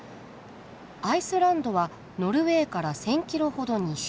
アイスランドはノルウェーから１，０００キロほど西。